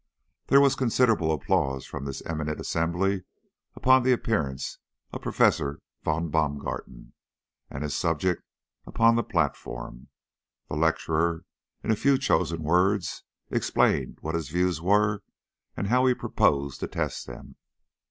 There was considerable applause from this eminent assembly upon the appearance of Professor von Baumgarten and his subject upon the platform. The lecturer, in a few well chosen words, explained what his views were, and how he proposed to test them.